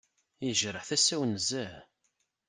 Yejreḥ tasa-w nezzeh.